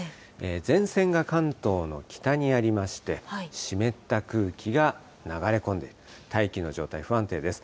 前線が関東の北にありまして、湿った空気が流れ込んで、大気の状態不安定です。